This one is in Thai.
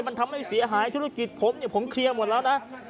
มันทำให้เสียหายธุรกิจผมเนี่ยผมเคลียร์หมดแล้วนะ